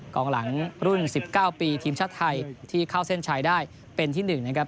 กองหลังรุ่น๑๙ปีทีมชาติไทยที่เข้าเส้นชัยได้เป็นที่๑นะครับ